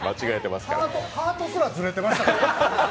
ハートすらずれてましたからね